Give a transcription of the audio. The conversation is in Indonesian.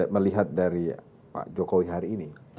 melihat dari pak jokowi hari ini